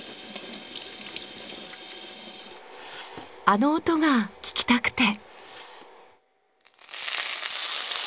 あの音が聞きたくて。